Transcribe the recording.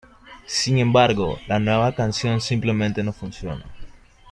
Sin embargo, la nueva canción simplemente no funciona.